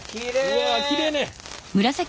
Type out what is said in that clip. うわきれいね。